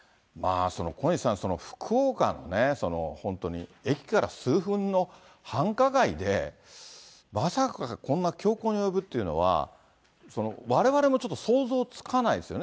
小西さん、福岡のね、本当に駅から数分の繁華街で、まさかこんな凶行に及ぶっていうのは、われわれもちょっと想像つかないですよね。